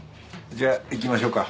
じゃあ行きましょうか。